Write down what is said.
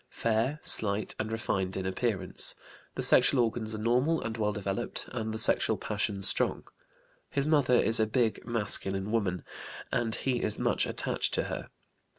Fair, slight, and refined in appearance. The sexual organs are normal and well developed, and the sexual passions strong. His mother is a big masculine woman, and he is much attached to her.